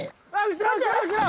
後ろ！